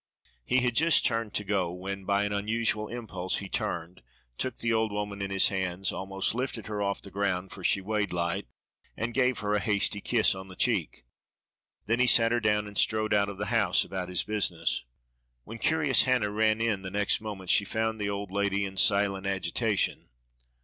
He had just turned to go, when by an unusual impulse he turned, took the old woman in his hands, almost lifted her off the ground, for she weighed light, and gave her a hasty kiss on the cheek; then he set her down and strode out of the house about his business. When curious Hannah ran in the next moment she found the old lady in silent agitation.